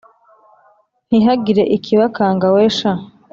Ntihagire ikibakanga we sha